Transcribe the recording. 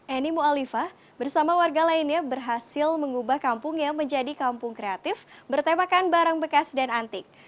eni mualifah bersama warga lainnya berhasil mengubah kampungnya menjadi kampung kreatif bertemakan barang bekas dan antik